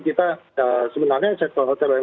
kita sebenarnya sektor hotel yang